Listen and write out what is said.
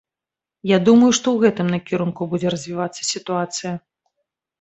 Я думаю, што ў гэтым накірунку будзе развівацца сітуацыя.